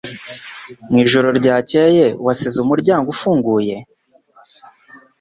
Mwijoro ryakeye wasize umuryango ufunguye?